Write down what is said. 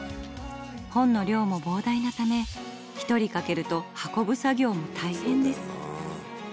本の量もぼうだいなため１人欠けると運ぶ作業も大変です。